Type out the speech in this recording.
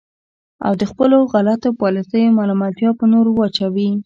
او د خپلو غلطو پالیسیو ملامتیا په نورو واچوي.